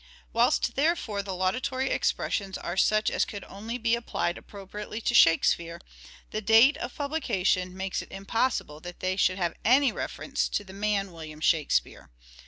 Whilst therefore the laudatory expressions are such as could only be applied appropriately to " Shake speare," the date of publication makes it impossible 340 " SHAKESPEARE " IDENTIFIED that they should have any reference to the man William Shakspere.